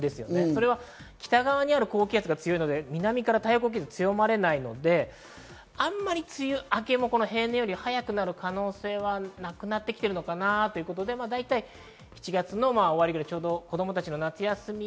それは北側にある高気圧が強いので南から太平洋高気圧、強まれないので、あまり梅雨明けも平年より早くなる可能性はなくなってきているのかなということで１月の終わりくらい、子供たちの夏休み